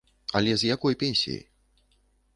Але з якой пенсіяй?